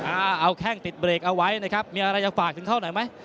เอาแข้งติดเบรกเอาไว้นะครับมีอะไรจะฝากถึงเขาหน่อยไหม